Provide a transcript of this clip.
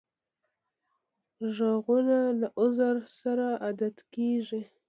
غوږونه له عذر سره عادت کړی